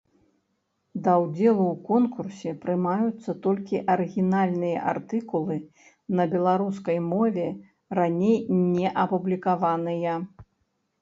Да ўдзелу ў конкурсе прымаюцца толькі арыгінальныя артыкулы на беларускай мове, раней не апублікаваныя.